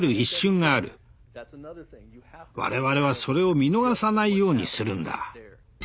我々はそれを見逃さないようにするんだ。